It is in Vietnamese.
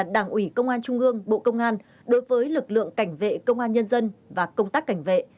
đảng ủy công an trung ương bộ công an đối với lực lượng cảnh vệ công an nhân dân và công tác cảnh vệ